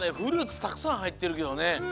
たくさんはいってるけどねなかに。